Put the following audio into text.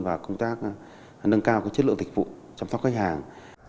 và công tác nâng cao chất lượng dịch vụ chăm sóc khách hàng